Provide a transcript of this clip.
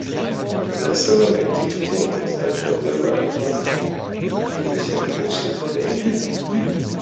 There are seven active teams that have never appeared in the championship game.